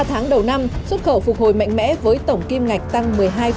ba tháng đầu năm xuất khẩu phục hồi mạnh mẽ với tổng kim ngạch tăng một mươi hai